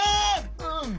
うん。